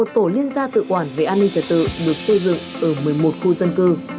một tổ liên gia tự quản về an ninh trật tự được xây dựng ở một mươi một khu dân cư